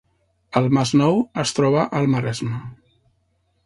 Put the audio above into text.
El Masnou es troba al Maresme